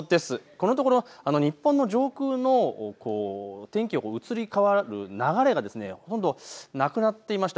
このところ日本の上空の天気、移り変わる流れがほとんどなくなっていました。